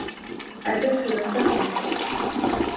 კარგად ცურავს და ყვინთავს.